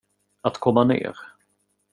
Att komma ner.